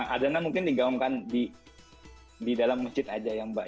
azan nya mungkin digaumkan di dalam masjid aja ya mbak